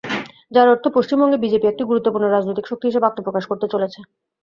যার অর্থ, পশ্চিমবঙ্গে বিজেপি একটি গুরুত্বপূর্ণ রাজনৈতিক শক্তি হিসেবে আত্মপ্রকাশ করতে চলেছে।